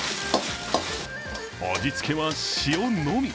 味付けは塩のみ。